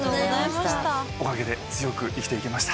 おかげで強く生きていけました。